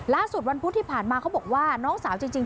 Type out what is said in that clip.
วันพุธที่ผ่านมาเขาบอกว่าน้องสาวจริง